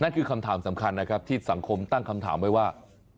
คือคำถามสำคัญนะครับที่สังคมตั้งคำถามไว้ว่า